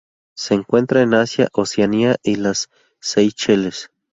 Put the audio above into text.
Se encuentra en Asia, Oceanía y las Seychelles.